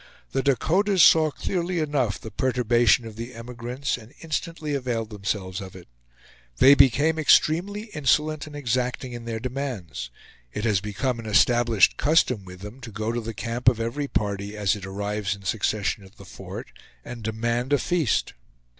The Dakotas saw clearly enough the perturbation of the emigrants and instantly availed themselves of it. They became extremely insolent and exacting in their demands. It has become an established custom with them to go to the camp of every party, as it arrives in succession at the fort, and demand a feast.